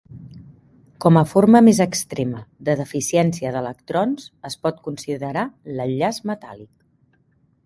Com a forma més extrema de deficiència d'electrons, es pot considerar l'enllaç metàl·lic.